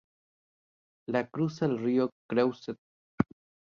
La cruza el río Creuse.